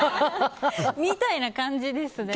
みたいな感じですね。